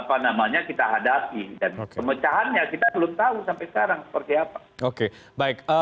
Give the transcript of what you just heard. hadapi dan pemecahannya kita belum tahu sampai sekarang seperti apa oke baik